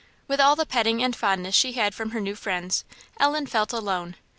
With all the petting and fondness she had from her new friends, Ellen felt alone.